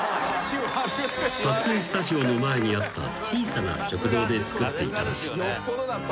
［撮影スタジオの前にあった小さな食堂で作っていたらしい］